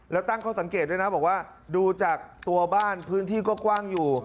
แล้วตั้งข้อสังเกตด้วยนะบอกว่าดูจากตัวบ้านพื้นที่ก็กว้างอยู่